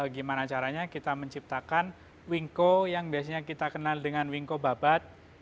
gimana caranya kita menciptakan wingko yang biasanya kita kenal dengan wingko babat